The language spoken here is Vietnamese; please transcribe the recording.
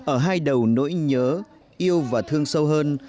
ở hai đầu nỗi nhớ yêu và thương sâu hơn